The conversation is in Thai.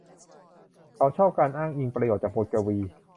เขาชอบการอ้างอิงประโยคจากบทกวี